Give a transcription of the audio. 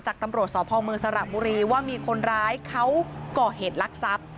ตำรวจสพเมืองสระบุรีว่ามีคนร้ายเขาก่อเหตุลักษัพ